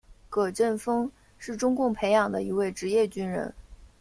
葛振峰是中共培养的一位职业军人。